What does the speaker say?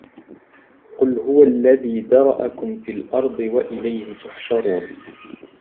قل هو الذي ذرأكم في الأرض وإليه تحشرون